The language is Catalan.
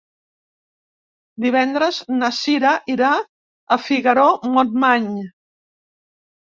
Divendres na Cira irà a Figaró-Montmany.